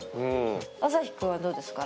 アサヒくんはどうですか？